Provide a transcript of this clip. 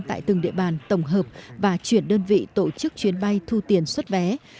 tại từng địa bàn tổng hợp và chuyển đơn vị tổ chức chuyến bay thu tiền xuất vé